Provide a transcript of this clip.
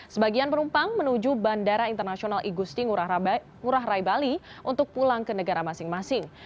sebagian penumpang menuju bandara internasional igusti ngurah rai bali untuk pulang ke negara masing masing